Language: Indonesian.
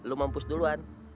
lo mampus duluan